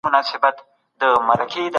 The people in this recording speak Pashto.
د دلارام خلک ډېر مېلمه پال او غیرتي دي